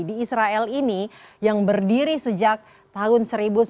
di israel ini yang berdiri sejak tahun seribu sembilan ratus empat puluh delapan